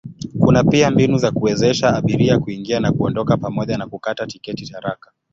Kuna pia mbinu za kuwezesha abiria kuingia na kuondoka pamoja na kukata tiketi haraka.